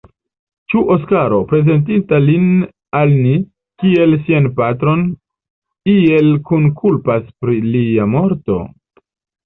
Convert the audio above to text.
Ĉu Oskaro, prezentinta lin al ni, kiel sian patron, iel kunkulpas pri lia morto?